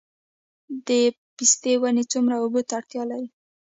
د پستې ونې څومره اوبو ته اړتیا لري؟